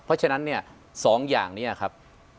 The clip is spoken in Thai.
เพราะฉะนั้นเนี่ย๒อย่างนี้ครับ